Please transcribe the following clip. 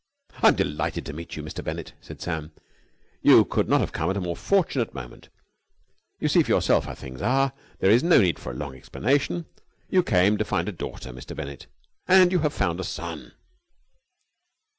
"I am delighted to meet you, Mr. Bennett," said Sam. "You could not have come at a more fortunate moment. You see for yourself how things are. There is no need for a long explanation. You came to find a daughter, Mr. Bennett, and you have found a son!"